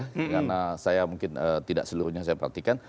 karena saya mungkin tidak seluruhnya saya perhatikan